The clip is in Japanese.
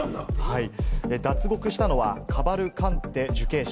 脱獄したのは、カバルカンテ受刑者。